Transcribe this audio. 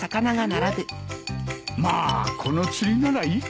まあこの釣りならいいか。